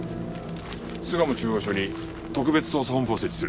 巣鴨中央署に特別捜査本部を設置する。